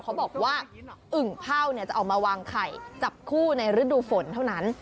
เขาบอกว่าอึ่งเผ่าจะออกมาวางไข่จับคู่ในฤดูฝนเท่านั้น